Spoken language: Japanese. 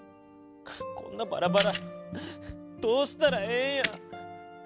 こんなばらばらどうしたらええんやん。